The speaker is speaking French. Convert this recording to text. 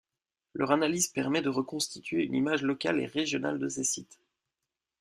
Leur analyse permet de reconstituer une image locale et régionale de ces sites.